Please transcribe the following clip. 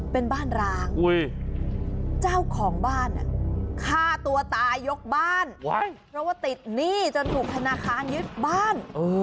เพราะว่าติดหนี้จนถูกธนาคารยึดบ้าน